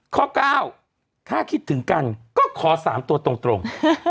ข้อ๙ถ้าคิดถึงกันก็ขอ๓ตัวตรง